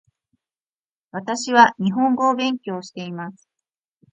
私は日本語を勉強しています